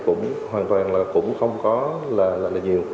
cũng hoàn toàn là cũng không có là nhiều